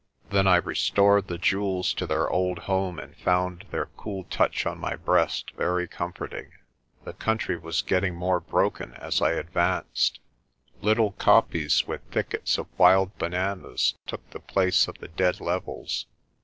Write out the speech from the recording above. Then I restored the jewels to their old home and found their cool touch on my breast very comforting. The country was getting more broken as I advanced. Little kopjes with thickets of wild bananas took the place of the dead levels.